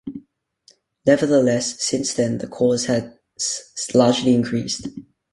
Nevertheless, since then the Corps has largely increased.